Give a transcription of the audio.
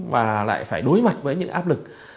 mà lại phải đối mặt với những áp lực